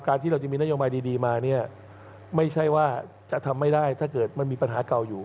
ที่เราจะมีนโยบายดีมาเนี่ยไม่ใช่ว่าจะทำไม่ได้ถ้าเกิดมันมีปัญหาเก่าอยู่